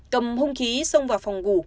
cầm hung khí xông vào phòng ngủ